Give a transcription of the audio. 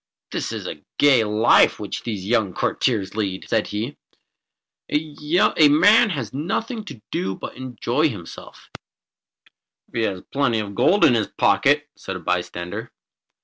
"This is a gay life which these young courtiers lead," said he. "A man has nothing to do but to enjoy himself." "If he has plenty of gold in his pocket," said a bystander.